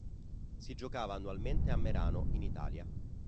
Si giocava annualmente a Merano in Italia.